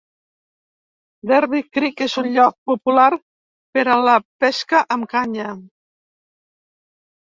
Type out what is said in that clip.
Darby Creek és un lloc popular per a la pesca amb canya.